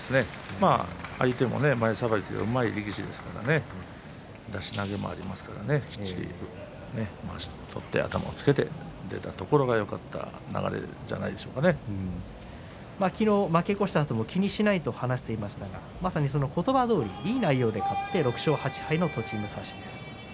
相手も前さばきがうまい力士ですから出し投げもありますからきっちりまわしを取って頭をつけていけたところがよかった流れじゃないでしょうか昨日負け越したあとも気にしないと話していましたがまさにその言葉どおりいい内容で勝って６勝８敗の栃武蔵です。